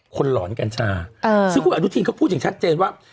หลอนกัญชาซึ่งคุณอนุทินเขาพูดอย่างชัดเจนว่า